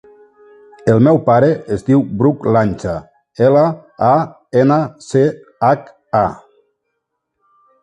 El meu pare es diu Bruc Lancha: ela, a, ena, ce, hac, a.